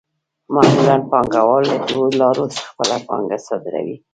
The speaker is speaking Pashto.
معمولاً پانګوال له دوو لارو خپله پانګه صادروي